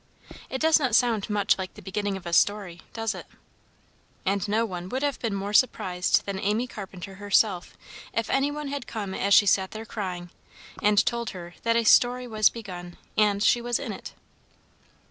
It does not sound much like the beginning of a story, does it? And no one would have been more surprised than Amy Carpenter herself if any one had come as she sat there crying, and told her that a story was begun, and she was in it.